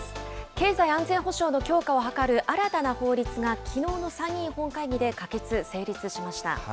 経済安全保障の強化を図る新たな法律が、きのうの参議院本会議で可決・成立しました。